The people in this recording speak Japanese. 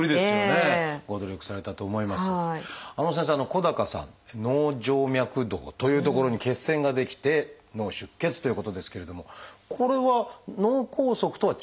小高さん脳静脈洞という所に血栓が出来て脳出血ということですけれどもこれは脳梗塞とは違うんですか？